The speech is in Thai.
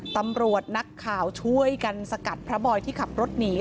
ตำรวจนักข่าวช่วยกันสกัดพระบอยที่ขับรถหนี